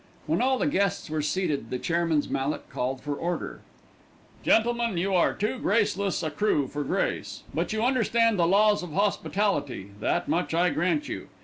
When all the guests were seated the chairman's mallet called for order. "Gentlemen, you are too graceless a crew for grace, but you understand the laws of hospitality, that much I grant you.